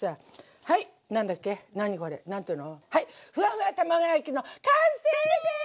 はいふわふわ卵焼きの完成です！